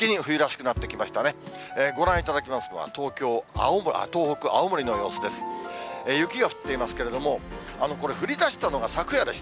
ご覧いただきますのは、東北・青森の様子です。